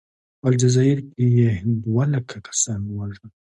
په الجزایر کې یې دوه لکه کسان ووژل.